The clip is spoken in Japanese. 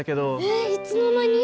えっいつの間に？